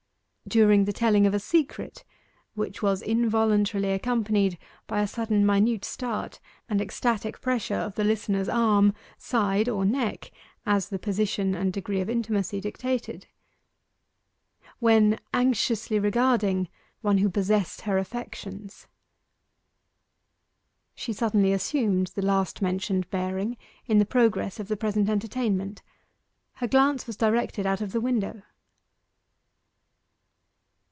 During the telling of a secret, which was involuntarily accompanied by a sudden minute start, and ecstatic pressure of the listener's arm, side, or neck, as the position and degree of intimacy dictated. When anxiously regarding one who possessed her affections. She suddenly assumed the last mentioned bearing in the progress of the present entertainment. Her glance was directed out of the window.